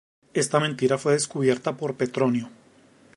Esta mentira fue descubierta por Petronio.